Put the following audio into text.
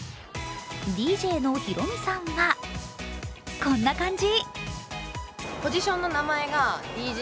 ＤＪの裕美さんは、こんな感じ。